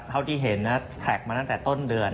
โดยเห็นว่าแพลกมาตั้งแต่ต้นเดือน